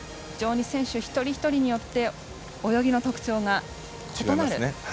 選手一人一人によって泳ぎの特徴が異なる。